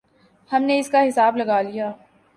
ہم نے اس کا حساب لگا لیا۔